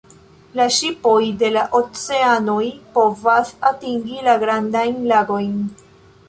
La ŝipoj de la oceanoj povas atingi la Grandajn Lagojn.